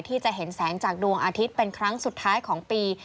ที่จะเห็นแสงจากดวงอาทิตย์เป็นครั้งสุดท้ายของปี